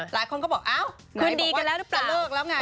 หลายคนก็บอกอ้าวไหนบอกว่าจะเลิกแล้วไง